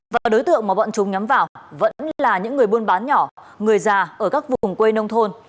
và đối tượng mà bọn chúng nhắm vào vẫn là những người buôn bán nhỏ người già ở các vùng quê nông thôn